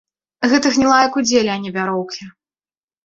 Гэта гнілая кудзеля, а не вяроўкі.